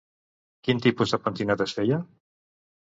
Quin tipus de pentinat es feia?